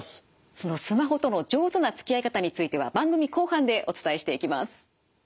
そのスマホとの上手なつきあい方については番組後半でお伝えしていきます。